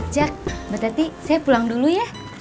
jak mbak tati saya pulang dulu ya